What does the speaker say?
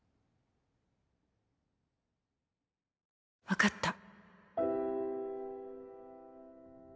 分かった。